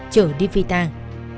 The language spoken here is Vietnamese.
chở đi vì tàn